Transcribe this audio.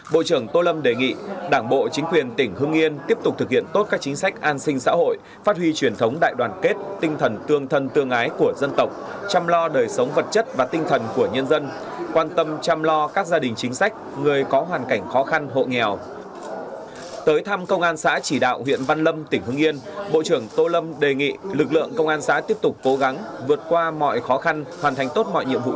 bộ trưởng tô lâm đề nghị đảng bộ chính quyền tỉnh hưng yên tiếp tục thực hiện tốt các chính sách an sinh xã hội phát huy truyền thống đại đoàn kết tinh thần tương thân tương ái của dân tộc chăm lo các gia đình chính sách an sinh xã hội quan tâm chăm lo các gia đình chính sách an sinh xã hội quan tâm chăm lo các gia đình chính sách an sinh xã hội quan tâm chăm lo các gia đình chính sách an sinh xã hội